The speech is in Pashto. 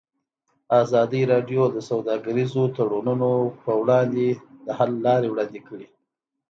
ازادي راډیو د سوداګریز تړونونه پر وړاندې د حل لارې وړاندې کړي.